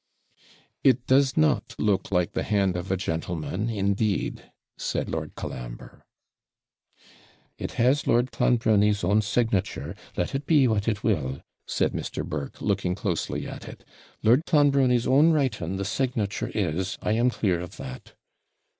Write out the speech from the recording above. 'It does not look like the hand of a gentleman, indeed,' said Lord Colambre. 'It has Lord Clonbrony's own signature, let it be what it will,' said Mr. Burke, looking closely at it; 'Lord Clonbrony's own writing the signature is, I am clear of that.'